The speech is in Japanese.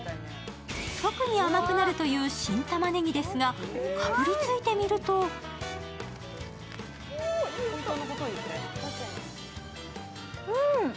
特に甘くなるという新たまねぎですが、かぶりついてみるとうそ！